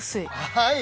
はい。